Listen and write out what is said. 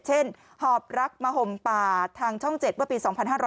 เช่นหอบรักมหมป่าทางช่องเจ็ดวันปี๒๕๕๔